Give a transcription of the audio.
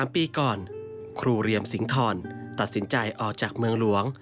๓ปีก่อนครูเรียมสิงทรตัดสินใจออกจากเมืองหลวง